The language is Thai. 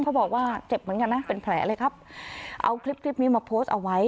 บอกว่าเจ็บเหมือนกันนะเป็นแผลเลยครับเอาคลิปคลิปนี้มาโพสต์เอาไว้